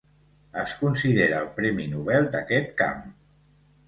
Es considera el premi Nobel d'aquest camp.